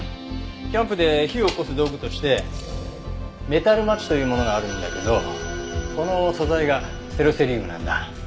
キャンプで火をおこす道具としてメタルマッチというものがあるんだけどこの素材がフェロセリウムなんだ。